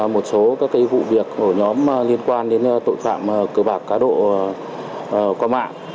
một số các vụ việc của nhóm liên quan đến tội phạm cửa bạc cá độ qua mạng